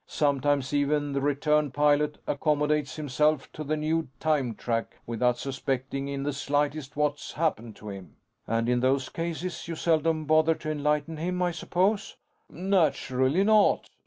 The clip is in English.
Sometimes even, the returned pilot accommodates himself to the new time track without suspecting in the slightest what's happened to him." "And in those cases, you seldom bother to enlighten him, I suppose." "Naturally not.